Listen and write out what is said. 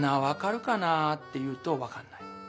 分かるかな？」っていうと分かんない。